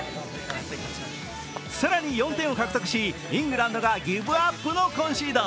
更に４点を獲得し、イングランドがギブアップのコンシード。